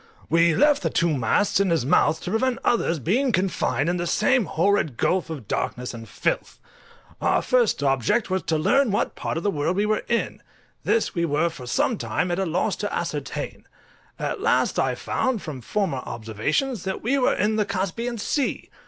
We left the two masts in his mouth, to prevent others being confined in the same horrid gulf of darkness and filth. Our first object was to learn what part of the world we were in; this we were for some time at a loss to ascertain: at last I found, from former observations, that we were in the Caspian Sea!